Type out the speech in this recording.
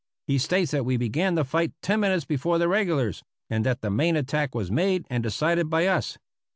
He states that we began the fight ten minutes before the regulars, and that the main attack was made and decided by us.